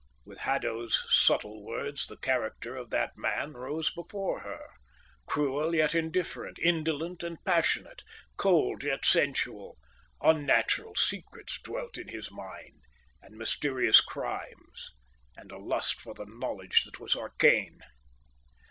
With Haddo's subtle words the character of that man rose before her, cruel yet indifferent, indolent and passionate, cold yet sensual; unnatural secrets dwelt in his mind, and mysterious crimes, and a lust for the knowledge that was arcane.